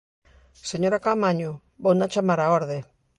Señora Caamaño, vouna chamar á orde.